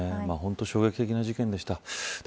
本当、衝撃的な事件でした。